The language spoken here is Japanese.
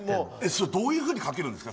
それはどういうふうにかけるんですか？